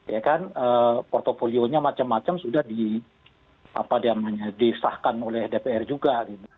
ya kan portfolionya macam macam sudah disahkan oleh dpr juga